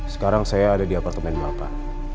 sekarang saya ada di apartemen bapak